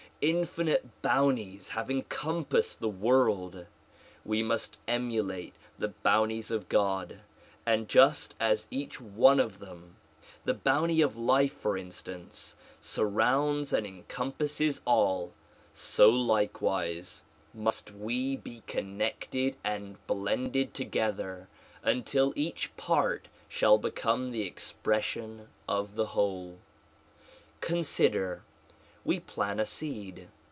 Infinite bounties have encompassed the world. AVe must emulate the bounties of (lod, and just as each one of them — the bounty of life for instance — surrounds and encompasses all, so likewise nuist we be coiniected 14 THE PROMULGATION OF UNIVERSAL PEACE and blended together until each part shall become the expression of the whole. Consider; we plant a seed.